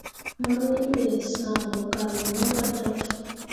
Mawiŋ be, sããh bo kal wɲǝǝra dan.